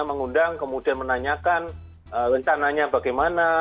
mengundang kemudian menanyakan rencananya bagaimana